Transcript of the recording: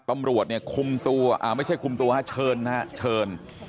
ตำรวจเนี่ยคุมตัวไม่ใช่คุมตัวฮะเชิญนะฮะเชิญ